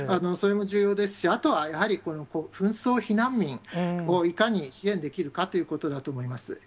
それも重要ですし、あとはやはり紛争避難民をいかに支援できるかということだと思います。